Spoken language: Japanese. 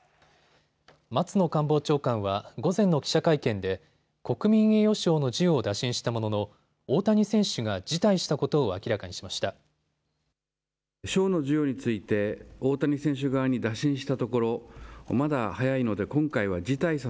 松野官房長官は午前の記者会見で国民栄誉賞の授与を打診したものの大谷選手が辞退したことを明らかにしました。